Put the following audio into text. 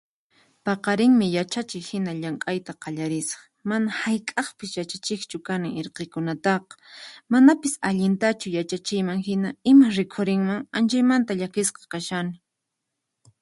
Paqarinmi yachachiq hina llamk'ayta qallarisaq, mana hayk'aqpis yachachiqchu kani irqikunataqa, manapis allintachu yachachiyman hina, imas rikhurinman? Anchaymanta llakisqa kashani.